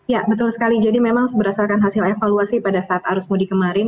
ya betul sekali jadi memang berdasarkan hasil evaluasi pada saat arus mudik kemarin